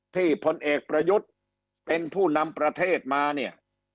พลเอกประยุทธ์เป็นผู้นำประเทศมาเนี่ย